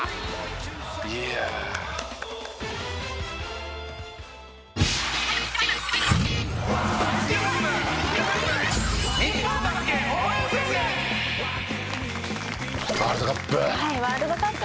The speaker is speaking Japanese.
「いやあ」ワールドカップ！